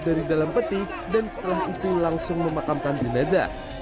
dari dalam peti dan setelah itu langsung memakamkan jenazah